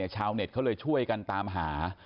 ชาวเน็ตเขาเลยช่วยกันตามหา